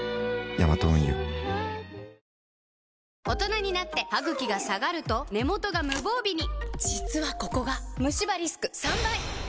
大人になってハグキが下がると根元が無防備に実はここがムシ歯リスク３倍！